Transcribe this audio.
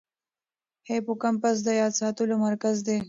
هیپوکمپس د یاد ساتلو مرکز دی.